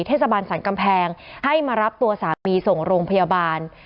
เทศบาลสรรกำแพงให้มารับตัวสามีส่งโรงพยาบาล